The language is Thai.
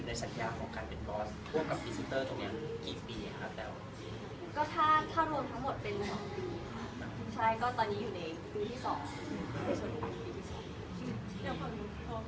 เลือกของเกษตรที่เป็นเรื่องของอาหารเสริมก่อนบ้านนี้